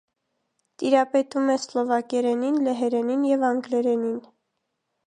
Տիրապետում է սլովակերենին, լեհերենին և անգլերենին։